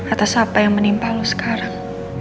atas apa yang menimpa lu sekarang